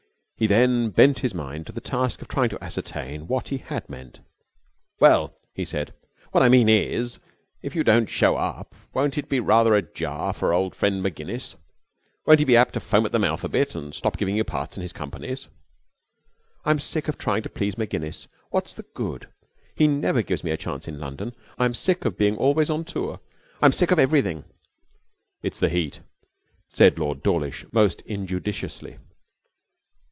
He then bent his mind to the task of trying to ascertain what he had meant. 'Well,' he said, 'what I mean is, if you don't show up won't it be rather a jar for old friend Maginnis? Won't he be apt to foam at the mouth a bit and stop giving you parts in his companies?' 'I'm sick of trying to please Maginnis. What's the good? He never gives me a chance in London. I'm sick of being always on tour. I'm sick of everything.' 'It's the heat,' said Lord Dawlish, most injudiciously.